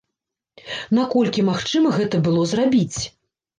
Наколькі магчыма гэта было зрабіць?